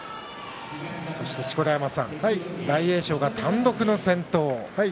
錣山さん大栄翔が単独の先頭。